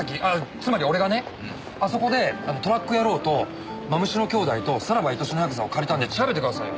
つまり俺がねあそこで『トラック野郎』と『まむしの兄弟』と『さらば愛しのやくざ』を借りたんで調べてくださいよ。